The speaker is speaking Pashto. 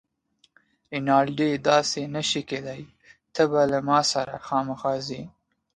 رینالډي: داسې نه شي کیدای، ته به له ما سره خامخا ځې.